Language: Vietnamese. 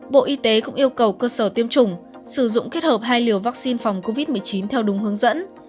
bộ y tế cũng yêu cầu cơ sở tiêm chủng sử dụng kết hợp hai liều vaccine phòng covid một mươi chín theo đúng hướng dẫn